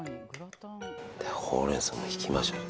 ほうれん草も敷きましょう。